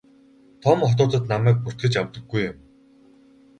Том хотуудад намайг бүртгэж авдаггүй юм.